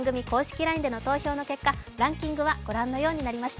ＬＩＮＥでの投票の結果、ランキングはご覧のようになりました。